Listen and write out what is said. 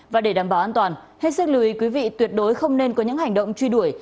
và để đảm bảo an toàn hết sức lưu ý quý vị tuyệt đối không nên có những hành động truy đuổi